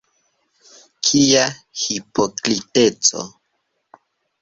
Kia hipokriteco!